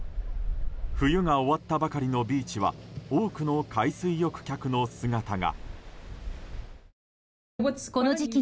冬が終わったばかりのビーチは多くの海水浴客の姿が。